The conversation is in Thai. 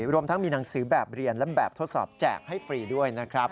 รวมทั้งมีหนังสือแบบเรียนและแบบทดสอบแจกให้ฟรีด้วยนะครับ